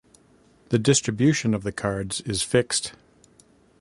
The distribution of the cards is fixed.